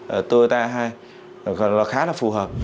ở tô eta hai còn là khá là phù hợp